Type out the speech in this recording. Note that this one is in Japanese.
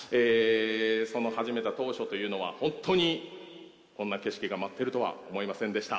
その始めた当初というのは本当にこんな景色が待っているとは思っていませんでした。